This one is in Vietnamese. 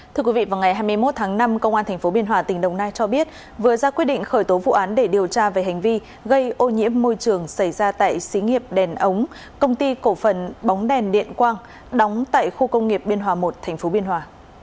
thưa quý vị vào ngày hai mươi một tháng năm công an tp biên hòa tỉnh đồng nai cho biết vừa ra quyết định khởi tố vụ án để điều tra về hành vi gây ô nhiễm môi trường xảy ra tại xí nghiệp đèn ống công ty cổ phần bóng đèn điện quang đóng tại khu công nghiệp biên hòa một tp biên hòa